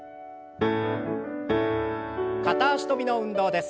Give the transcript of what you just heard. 片脚跳びの運動です。